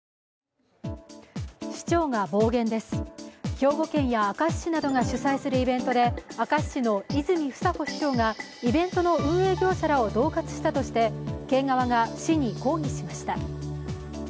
兵庫県や明石市などが主催するイベントで明石市の泉房穂市長がイベントの運営業者らをどう喝したとして県側が市に抗議しました。